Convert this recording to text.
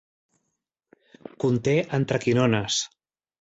Conté antraquinones.